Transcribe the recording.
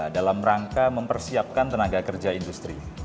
dalam rangka mempersiapkan tenaga kerja industri